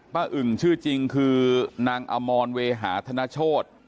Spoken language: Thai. อึ่งชื่อจริงคือนางอมรเวหาธนโชธ